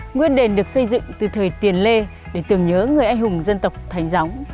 nguyên đền được xây dựng từ thời tiền lê để tưởng nhớ người anh hùng dân tộc thánh gióng